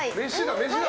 飯だ！